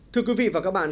thưa quý vị và các bạn